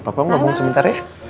papa mau ngomong sebentar ya